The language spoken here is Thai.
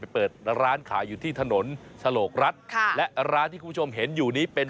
เปิดร้านขายอยู่ที่ถนนฉลกรัฐค่ะและร้านที่คุณผู้ชมเห็นอยู่นี้เป็น